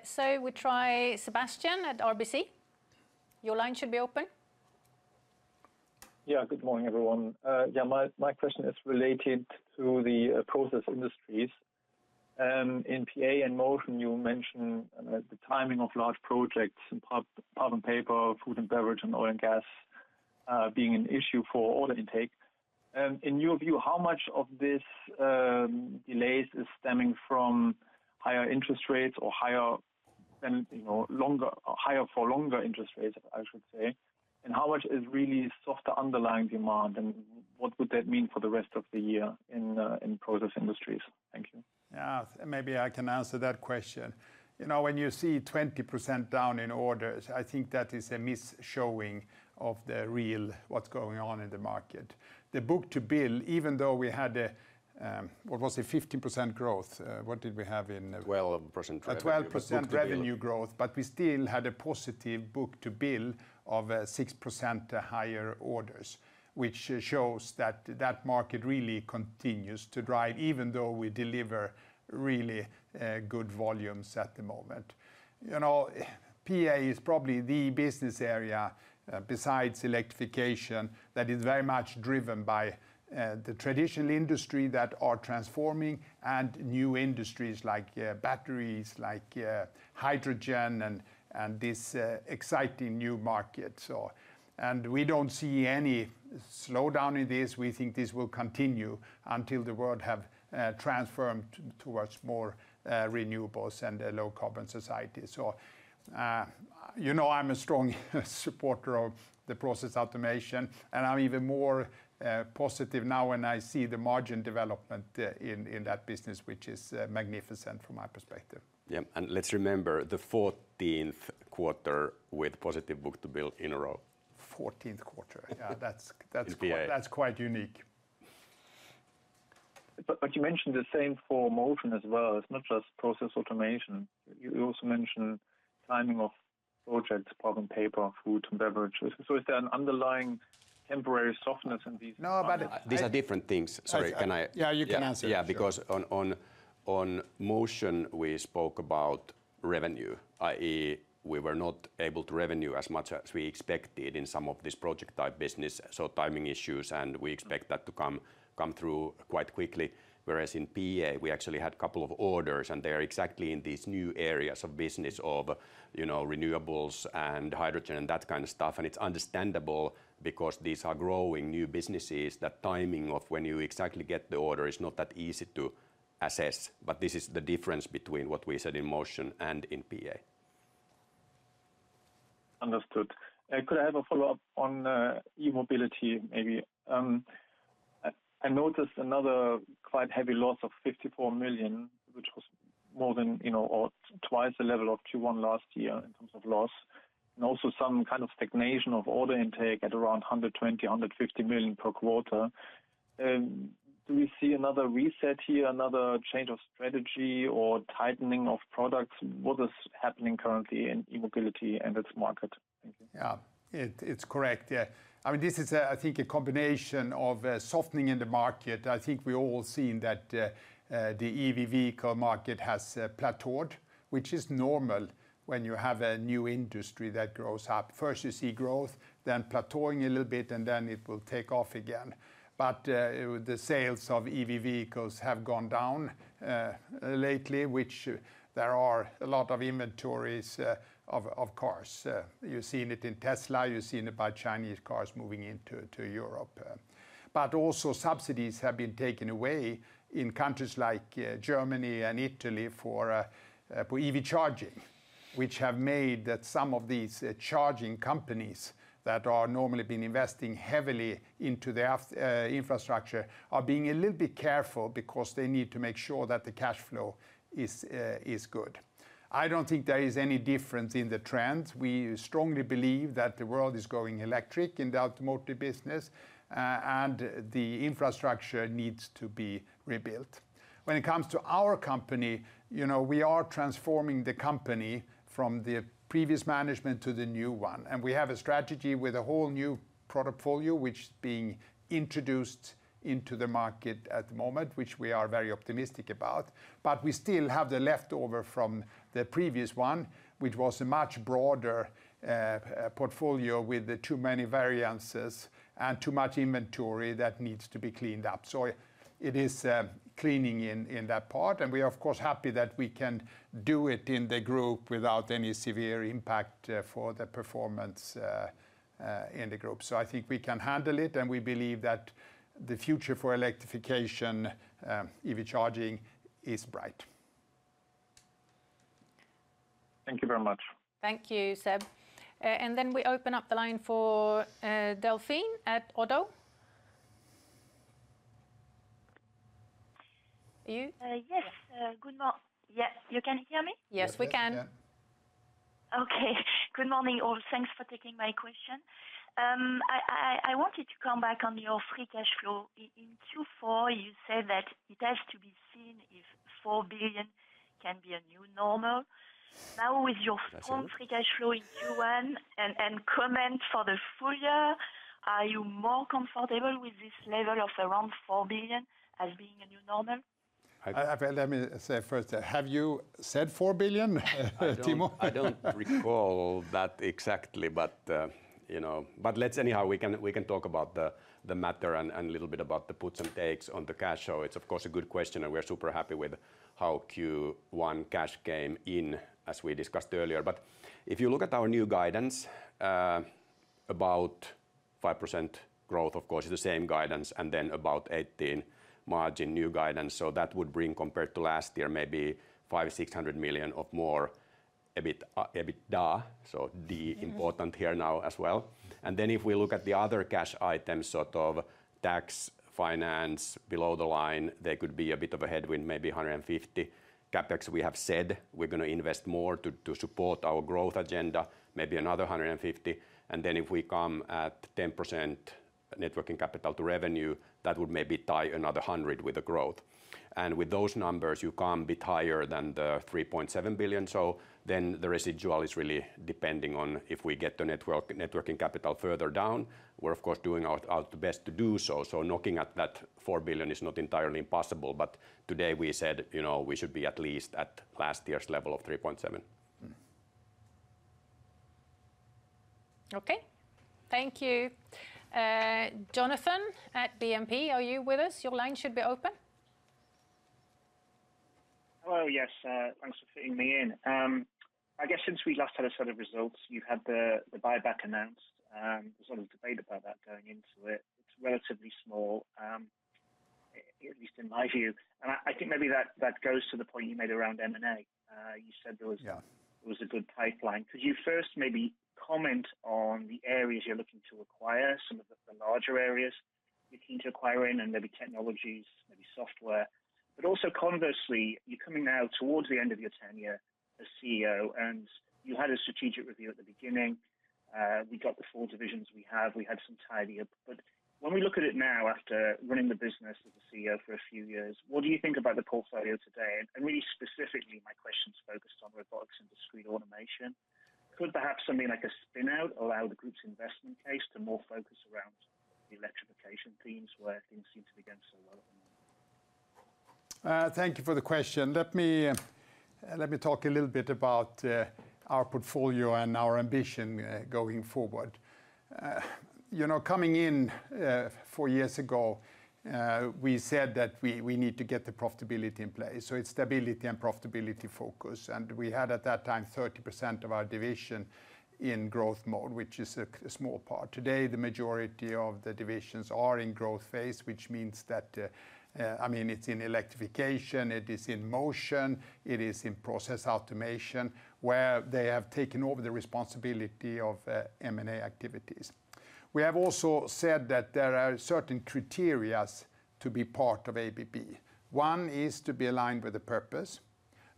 So we try Sebastian at RBC. Your line should be open. Yeah, good morning, everyone. Yeah, my question is related to the process industries. In PA and Motion, you mentioned the timing of large projects, pulp and paper, food and beverage, and oil and gas being an issue for order intake. In your view, how much of these delays is stemming from higher interest rates or higher for longer interest rates, I should say? And how much is really softer underlying demand? And what would that mean for the rest of the year in process industries? Thank you. Yeah, maybe I can answer that question. When you see 20% down in orders, I think that is a mis-showing of what's going on in the market. The book-to-bill, even though we had a, what was it, 15% growth? What did we have in? 12% revenue growth. A 12% revenue growth. But we still had a positive book-to-bill of 6% higher orders, which shows that that market really continues to drive even though we deliver really good volumes at the moment. PA is probably the business area, besides Electrification, that is very much driven by the traditional industries that are transforming and new industries like batteries, like hydrogen, and this exciting new market. And we don't see any slowdown in this. We think this will continue until the world has transformed towards more renewables and a low-carbon society. So I'm a strong supporter of the Process Automation. And I'm even more positive now when I see the margin development in that business, which is magnificent from my perspective. Yeah. Let's remember the 14th quarter with positive book-to-bill in a row. 14th quarter. Yeah, that's quite unique. But you mentioned the same for Motion as well. It's not just Process Automation. You also mentioned timing of projects, pulp and paper, food and beverage. So is there an underlying temporary softness in these? No, but these are different things. Sorry, can I? Yeah, you can answer. Yeah, because on Motion, we spoke about revenue, i.e., we were not able to revenue as much as we expected in some of these project-type businesses, so timing issues. And we expect that to come through quite quickly. Whereas in PA, we actually had a couple of orders. And they are exactly in these new areas of business of renewables and hydrogen and that kind of stuff. And it's understandable because these are growing new businesses that timing of when you exactly get the order is not that easy to assess. But this is the difference between what we said in Motion and in PA. Understood. Could I have a follow-up on E-mobility, maybe? I noticed another quite heavy loss of $54 million, which was more than or twice the level of Q1 last year in terms of loss, and also some kind of stagnation of order intake at around $120 million-$150 million per quarter. Do we see another reset here, another change of strategy or tightening of products? What is happening currently in E-mobility and its market? Thank you. Yeah, it's correct. Yeah. I mean, this is, I think, a combination of softening in the market. I think we've all seen that the EV vehicle market has plateaued, which is normal when you have a new industry that grows up. First, you see growth, then plateauing a little bit, and then it will take off again. But the sales of EV vehicles have gone down lately, which there are a lot of inventories of cars. You've seen it in Tesla. You've seen it by Chinese cars moving into Europe. But also, subsidies have been taken away in countries like Germany and Italy for EV charging, which have made that some of these charging companies that are normally being invested heavily into their infrastructure are being a little bit careful because they need to make sure that the cash flow is good. I don't think there is any difference in the trends. We strongly believe that the world is going electric in the automotive business. The infrastructure needs to be rebuilt. When it comes to our company, we are transforming the company from the previous management to the new one. We have a strategy with a whole new portfolio, which is being introduced into the market at the moment, which we are very optimistic about. We still have the leftover from the previous one, which was a much broader portfolio with too many variances and too much inventory that needs to be cleaned up. It is cleaning in that part. We are, of course, happy that we can do it in the group without any severe impact for the performance in the group. I think we can handle it. We believe that the future for Electrification, EV charging, is bright. Thank you very much. Thank you, Seb. And then we open up the line for Delphine at ODDO. Are you? Yes. Good morning. Yeah, you can hear me? Yes, we can. Okay. Good morning, all. Thanks for taking my question. I wanted to come back on your free cash flow. In Q4, you said that it has to be seen if $4 billion can be a new normal. Now, with your current free cash flow in Q1 and comment for the full year, are you more comfortable with this level of around $4 billion as being a new normal? Let me say first, have you said $4 billion, Timo? I don't recall that exactly. But let's anyhow, we can talk about the matter and a little bit about the puts and takes on the cash flow. It's, of course, a good question. And we're super happy with how Q1 cash came in, as we discussed earlier. But if you look at our new guidance, about 5% growth, of course, is the same guidance, and then about 18% margin new guidance. So that would bring, compared to last year, maybe $500 million-$600 million of more EBITDA, so EBITDA important here now as well. And then if we look at the other cash items, sort of tax, finance, below the line, there could be a bit of a headwind, maybe $150 million. CapEx, we have said we're going to invest more to support our growth agenda, maybe another $150 million. And then if we come at 10% net working capital to revenue, that would maybe tie another 100% with the growth. And with those numbers, you come a bit higher than the $3.7 billion. So then the residual is really depending on if we get the net working capital further down. We're, of course, doing our best to do so. So knocking at that $4 billion is not entirely impossible. But today, we said we should be at least at last year's level of 3.7%. Okay. Thank you. Jonathan at BNP, are you with us? Your line should be open. Hello. Yes. Thanks for fitting me in. I guess since we last had a set of results, you've had the buyback announced. There's a lot of debate about that going into it. It's relatively small, at least in my view. I think maybe that goes to the point you made around M&A. You said there was a good pipeline. Could you first maybe comment on the areas you're looking to acquire, some of the larger areas you're keen to acquire in, and maybe technologies, maybe software? But also conversely, you're coming now towards the end of your tenure as CEO. You had a strategic review at the beginning. We got the four divisions we have. We had some tidier. When we look at it now, after running the business as a CEO for a few years, what do you think about the portfolio today? Really specifically, my question is focused on Robotics & Discrete Automation. Could perhaps something like a spin-out allow the group's investment case to more focus around the Electrification themes where things seem to be going so well at the moment? Thank you for the question. Let me talk a little bit about our portfolio and our ambition going forward. Coming in four years ago, we said that we need to get the profitability in place. So it's stability and profitability focus. And we had, at that time, 30% of our division in growth mode, which is a small part. Today, the majority of the divisions are in growth phase, which means that, I mean, it's in Electrification. It is in Motion. It is in Process Automation, where they have taken over the responsibility of M&A activities. We have also said that there are certain criteria to be part of ABB. One is to be aligned with the purpose.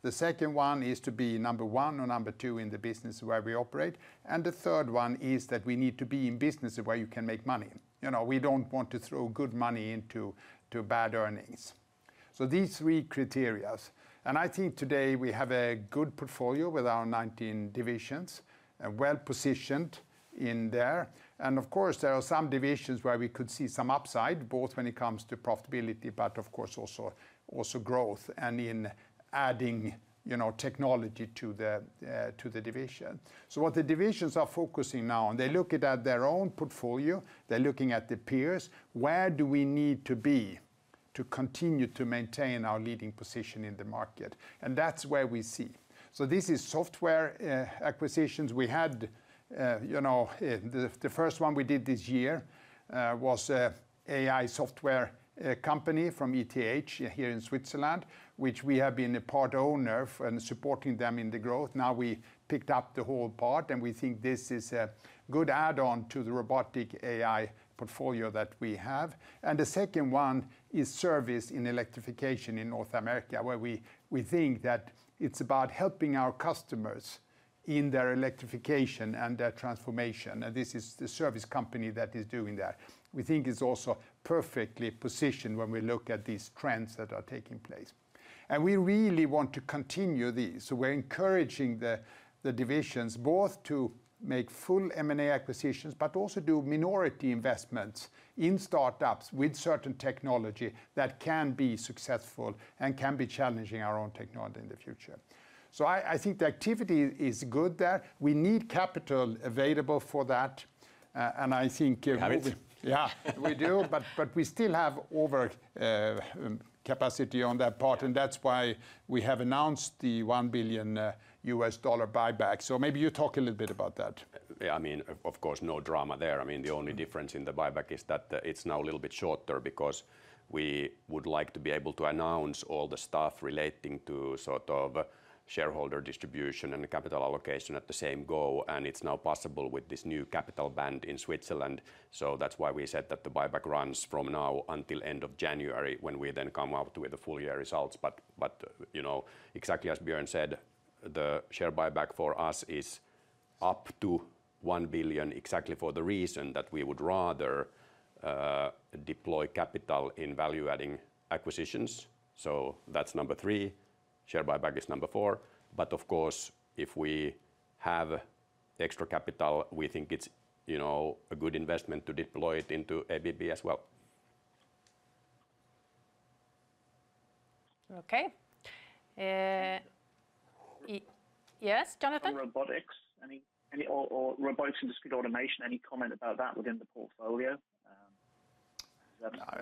The second one is to be number one or number two in the business where we operate. The third one is that we need to be in businesses where you can make money. We don't want to throw good money into bad earnings. These three criteria. I think today, we have a good portfolio with our 19 divisions, well-positioned in there. Of course, there are some divisions where we could see some upside, both when it comes to profitability, but of course, also growth and in adding technology to the division. What the divisions are focusing now on, they look at their own portfolio. They're looking at the peers. Where do we need to be to continue to maintain our leading position in the market? That's where we see. This is software acquisitions. We had the first one we did this year was an AI software company from ETH here in Switzerland, which we have been a part owner and supporting them in the growth. Now, we picked up the whole part. We think this is a good add-on to the robotic AI portfolio that we have. The second one is service in Electrification in North America, where we think that it's about helping our customers in their electrification and their transformation. This is the service company that is doing that. We think it's also perfectly positioned when we look at these trends that are taking place. We really want to continue these. So we're encouraging the divisions both to make full M&A acquisitions, but also do minority investments in startups with certain technology that can be successful and can be challenging our own technology in the future. So I think the activity is good there. We need capital available for that. And I think. Have it? Yeah, we do. But we still have overcapacity on that part. And that's why we have announced the $1 billion buyback. So maybe you talk a little bit about that. I mean, of course, no drama there. I mean, the only difference in the buyback is that it's now a little bit shorter because we would like to be able to announce all the stuff relating to sort of shareholder distribution and capital allocation at the same go. And it's now possible with this new capital band in Switzerland. So that's why we said that the buyback runs from now until end of January when we then come out with the full year results. But exactly as Björn said, the share buyback for us is up to $1 billion exactly for the reason that we would rather deploy capital in value-adding acquisitions. So that's number three. Share buyback is number four. But of course, if we have extra capital, we think it's a good investment to deploy it into ABB as well. Okay. Yes, Jonathan? Robotics or Robotics & Discrete Automation, any comment about that within the portfolio?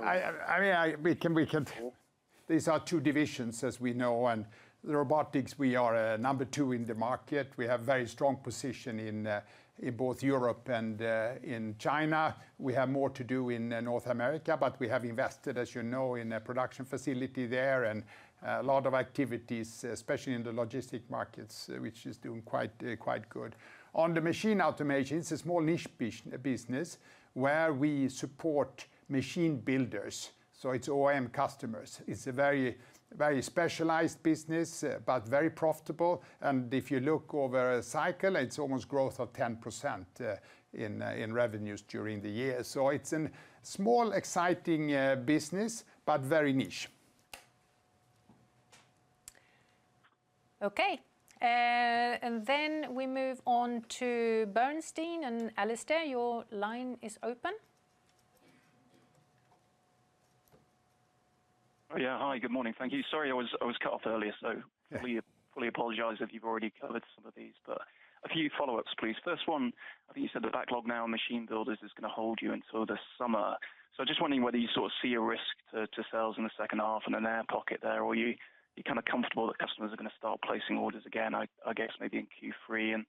I mean, these are two divisions, as we know. The Robotics, we are number two in the market. We have a very strong position in both Europe and in China. We have more to do in North America. But we have invested, as you know, in a production facility there and a lot of activities, especially in the logistics markets, which is doing quite good. On the Machine Automation, it's a small niche business where we support machine builders. So it's OEM customers. It's a very specialized business but very profitable. And if you look over a cycle, it's almost growth of 10% in revenues during the year. So it's a small, exciting business but very niche. Okay. And then we move on to Bernstein and Alasdair. Your line is open. Yeah. Hi. Good morning. Thank you. Sorry, I was cut off earlier. So, fully apologize if you've already covered some of these. But a few follow-ups, please. First one, I think you said the backlog now on machine builders is going to hold you until the summer. So, I'm just wondering whether you sort of see a risk to sales in the second half and an air pocket there, or are you kind of comfortable that customers are going to start placing orders again, I guess, maybe in Q3? And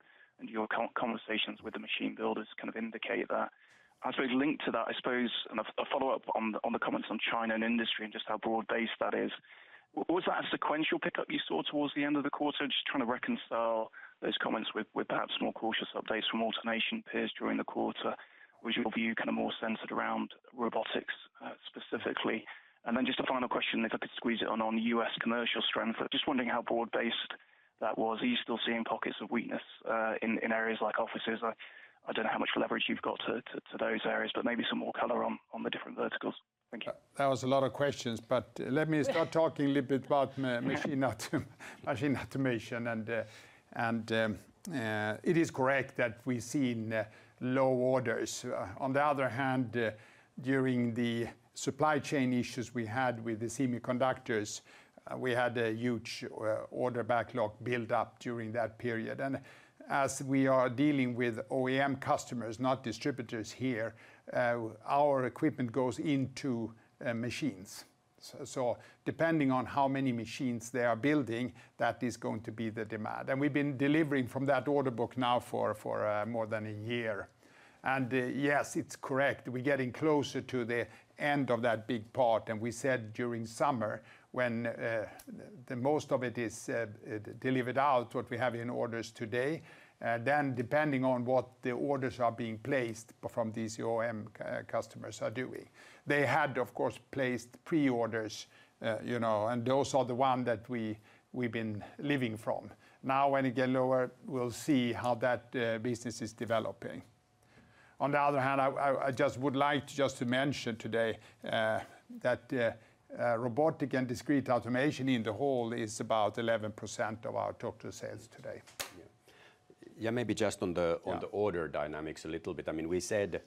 your conversations with the machine builders kind of indicate that. I suppose linked to that, I suppose, and a follow-up on the comments on China and industry and just how broad-based that is. Was that a sequential pickup you saw towards the end of the quarter? Just trying to reconcile those comments with perhaps more cautious updates from automation peers during the quarter, which you view kind of more centered around Robotics specifically. Then just a final question, if I could squeeze it in, on U.S. commercial strength. I'm just wondering how broad-based that was. Are you still seeing pockets of weakness in areas like offices? I don't know how much leverage you've got to those areas, but maybe some more color on the different verticals. Thank you. That was a lot of questions. But let me start talking a little bit about Machine Automation. It is correct that we've seen low orders. On the other hand, during the supply chain issues we had with the semiconductors, we had a huge order backlog buildup during that period. As we are dealing with OEM customers, not distributors here, our equipment goes into machines. So depending on how many machines they are building, that is going to be the demand. We've been delivering from that order book now for more than a year. Yes, it's correct. We're getting closer to the end of that big part. We said during summer, when most of it is delivered out, what we have in orders today, then depending on what the orders are being placed from these OEM customers are doing. They had, of course, placed pre-orders. Those are the ones that we've been living from. Now, when it gets lower, we'll see how that business is developing. On the other hand, I just would like just to mention today that Robotics & Discrete Automation in the whole is about 11% of our total sales today. Yeah. Maybe just on the order dynamics a little bit. I mean, we said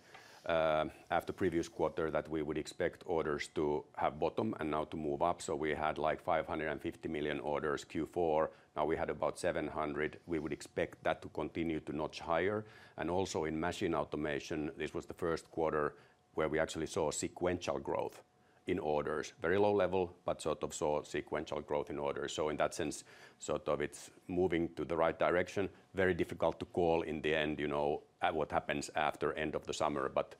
after previous quarter that we would expect orders to have bottom and now to move up. So we had like $550 million orders Q4. Now, we had about $700 million. We would expect that to continue to notch higher. And also in Machine Automation, this was the first quarter where we actually saw sequential growth in orders, very low level, but sort of saw sequential growth in orders. So in that sense, sort of it's moving to the right direction. Very difficult to call in the end what happens after end of the summer. But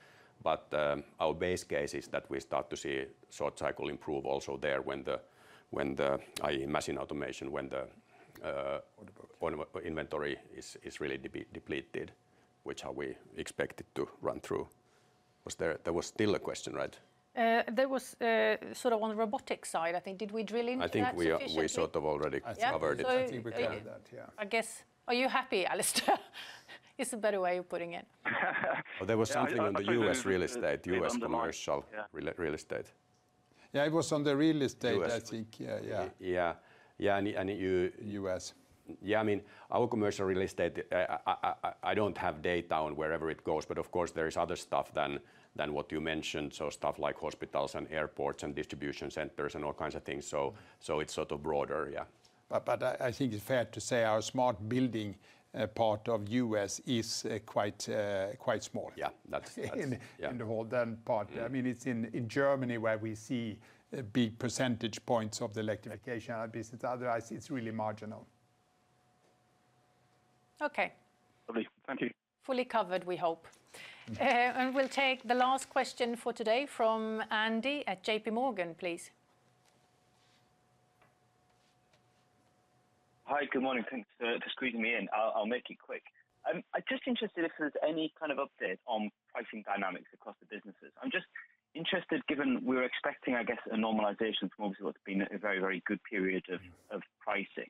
our base case is that we start to see short-cycle improve also there when the, i.e., Machine Automation, when the inventory is really depleted, which we expected to run through. There was still a question, right? There was sort of on the Robotics side, I think. Did we drill into that specifically? I think we sort of already covered it. I think we covered that. Yeah. I guess, are you happy, Alasdair? Is it a better way of putting it? There was something on the U.S. real estate, U.S. commercial real estate. Yeah. It was on the real estate, I think. Yeah. Yeah. Yeah. And you. U.S. Yeah. I mean, our commercial real estate, I don't have data on wherever it goes. But of course, there is other stuff than what you mentioned, so stuff like hospitals and airports and distribution centers and all kinds of things. So it's sort of broader. Yeah. I think it's fair to say our Smart Buildings part of the U.S. is quite small. Yeah. That's in the whole then part. I mean, it's in Germany where we see big percentage points of the Electrification business. Otherwise, it's really marginal. Okay. Fully covered, we hope. We'll take the last question for today from Andy at JPMorgan, please. Hi. Good morning. Thanks for squeezing me in. I'll make it quick. I'm just interested if there's any kind of update on pricing dynamics across the businesses. I'm just interested, given we were expecting, I guess, a normalization from obviously what's been a very, very good period of pricing.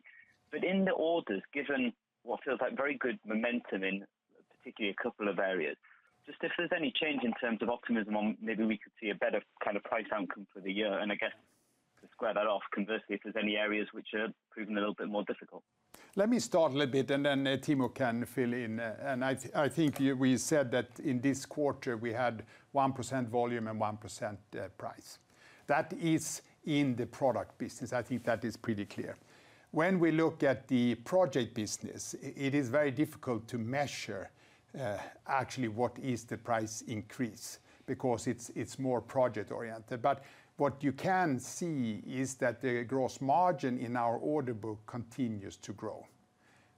But in the orders, given what feels like very good momentum in particularly a couple of areas. Just if there's any change in terms of optimism on maybe we could see a better kind of price outcome for the year. And I guess to square that off, conversely, if there's any areas which are proving a little bit more difficult. Let me start a little bit, and then Timo can fill in. I think we said that in this quarter, we had 1% volume and 1% price. That is in the product business. I think that is pretty clear. When we look at the project business, it is very difficult to measure actually what is the price increase because it's more project-oriented. But what you can see is that the gross margin in our order book continues to grow.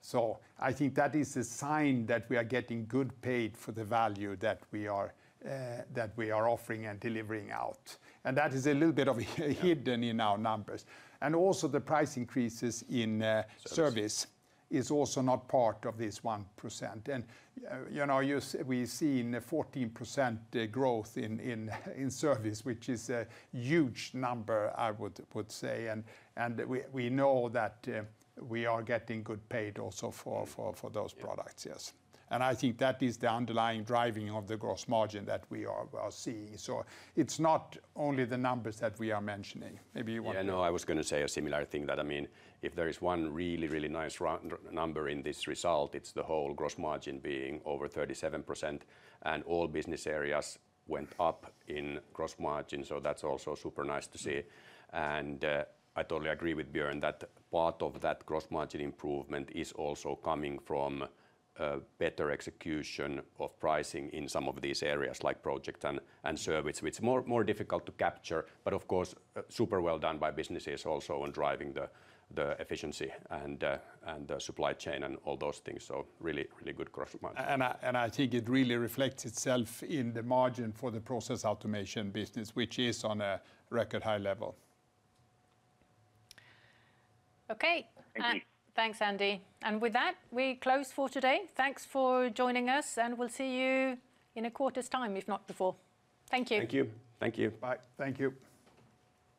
So I think that is a sign that we are getting well paid for the value that we are offering and delivering out. And that is a little bit hidden in our numbers. And also the price increases in service is also not part of this 1%. And we've seen 14% growth in service, which is a huge number, I would say. We know that we are getting good pay also for those products. Yes. I think that is the underlying driver of the gross margin that we are seeing. So it's not only the numbers that we are mentioning. Maybe you want to. Yeah. No, I was going to say a similar thing, that I mean, if there is one really, really nice number in this result, it's the whole gross margin being over 37%. And all business areas went up in gross margin. So that's also super nice to see. And I totally agree with Björn that part of that gross margin improvement is also coming from better execution of pricing in some of these areas like projects and service, which is more difficult to capture. But of course, super well done by businesses also on driving the efficiency and the supply chain and all those things. So really, really good gross margin. I think it really reflects itself in the margin for the Process Automation business, which is on a record high level. Okay. Thank you. Thanks, Andy. With that, we close for today. Thanks for joining us. We'll see you in a quarter's time, if not before. Thank you. Thank you. Thank you. Bye. Thank you.